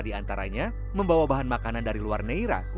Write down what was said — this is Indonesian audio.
tidak mau beli di pasar di pulau neira